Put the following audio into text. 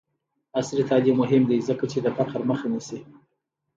عصري تعلیم مهم دی ځکه چې د فقر مخه نیسي.